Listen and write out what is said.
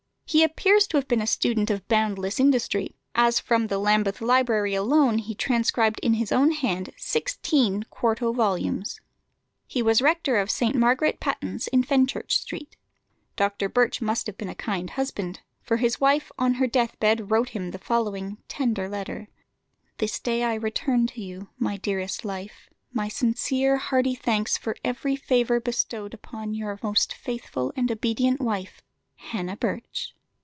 He appears to have been a student of boundless industry, as from the Lambeth Library alone he transcribed with his own hand sixteen quarto volumes. He was rector of St. Margaret Pattens in Fenchurch Street. Dr. Birch must have been a kind husband, for his wife on her deathbed wrote him the following tender letter: "This day I return you, my dearest life, my sincere, hearty thanks for every favour bestowed on your most faithful and obedient wife, HANNAH BIRCH."